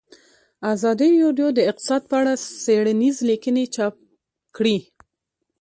ازادي راډیو د اقتصاد په اړه څېړنیزې لیکنې چاپ کړي.